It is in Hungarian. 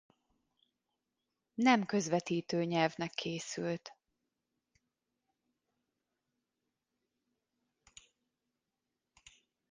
Nem közvetítő nyelvnek készült.